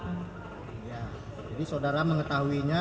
ya jadi saudara mengetahuinya